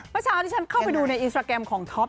เมื่อเช้าที่ฉันเข้าไปดูในอินสตราแกรมของท็อป